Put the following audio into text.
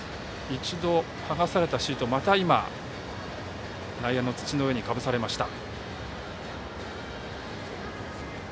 一度、はがされたシートをまた今、内野の土の上にかぶされました。